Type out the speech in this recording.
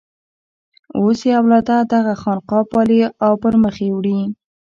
اوس یې اولاده دغه خانقاه پالي او پر مخ یې وړي.